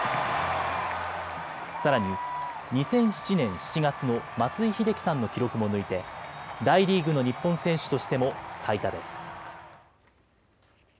さらに、２００７年７月の松井秀喜さんの記録も抜いて大リーグの日本選手としても最多です。